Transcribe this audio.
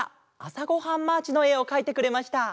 「あさごはんマーチ」のえをかいてくれました！